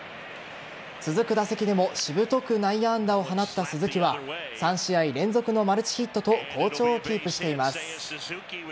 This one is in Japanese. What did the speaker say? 続く打席でもしぶとく内野安打を放った鈴木は３試合連続のマルチヒットと好調をキープしています。